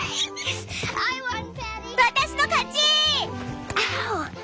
私の勝ちぃ！